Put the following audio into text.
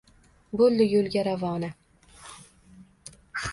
Bo‘ldi yo‘lga ravona.